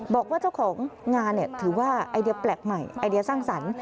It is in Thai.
บอกว่าเจ้าของงานถือว่าไอเดียแปลกใหม่ไอเดียสร้างสรรค์